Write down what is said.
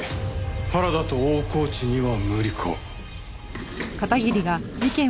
原田と大河内には無理か。